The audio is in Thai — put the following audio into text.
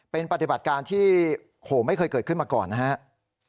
เป็นปฏิบัติการที่ไม่เคยเกิดขึ้นมาก่อนนะครับ